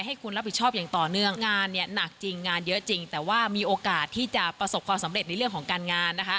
ให้คุณรับผิดชอบอย่างต่อเนื่องงานเนี่ยหนักจริงงานเยอะจริงแต่ว่ามีโอกาสที่จะประสบความสำเร็จในเรื่องของการงานนะคะ